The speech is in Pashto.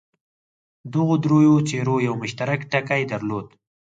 دغو دریو څېرو یو مشترک ټکی درلود.